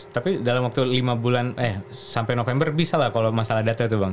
tapi dalam waktu lima bulan eh sampai november bisa lah kalau masalah data itu bang